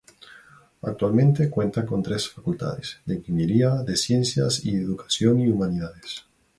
Actualmente cuenta con tres facultades: de "Ingeniería", de "Ciencias", y de "Educación y Humanidades".